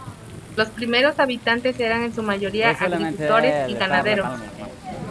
Los primeros habitantes eran en su mayoría agricultores y ganaderos.